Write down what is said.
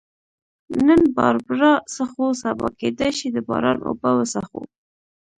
نن باربرا څښو، سبا کېدای شي د باران اوبه وڅښو.